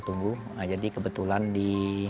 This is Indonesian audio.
tunggu jadi kebetulan di